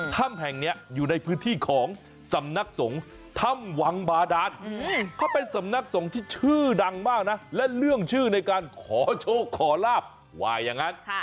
ถ้ำแห่งนี้อยู่ในพื้นที่ของสำนักสงฆ์ถ้ำวังบาดานเขาเป็นสำนักสงฆ์ที่ชื่อดังมากนะและเรื่องชื่อในการขอโชคขอลาบว่าอย่างนั้น